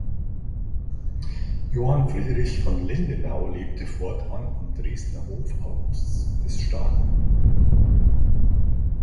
Johann Friedrich von Lindenau lebte fortan am Dresdner Hof Augusts des Starken.